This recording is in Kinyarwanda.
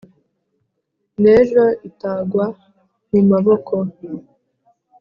N' ejo itagwa mu maboko.